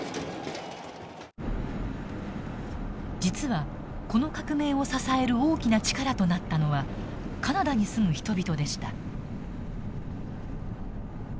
実はこの革命を支える大きな力となったのはカナダに住む人々でした。